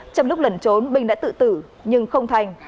trong lúc lẩn trốn binh đã tự tử nhưng không thành